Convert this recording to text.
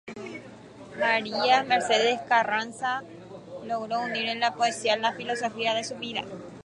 María Mercedes Carranza logró unir en la poesía la filosofía de su vida.